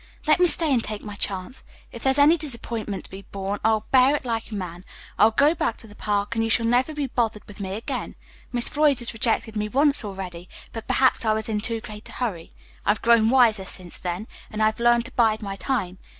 "Let me stay and take my chance. If there's any disappointment to be borne, I'll bear it like a man; I'll go back to the Park, and you shall never be bothered with me again. Miss Floyd has rejected me once already; but perhaps I was in too great a hurry. I've grown wiser since then, and I've learned to bide my time.